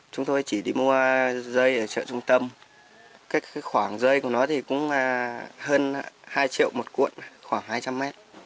chúng tôi chỉ đi mua dây ở chợ trung tâm khoảng dây của nó thì cũng hơn hai triệu một cuộn khoảng hai trăm linh mét